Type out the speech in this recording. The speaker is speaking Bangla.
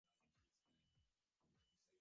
কালকের ঘটনায় বেচারি বেশ ভয় পেয়েছে।